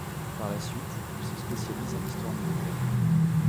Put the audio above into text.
Par la suite, il se spécialise en histoire militaire.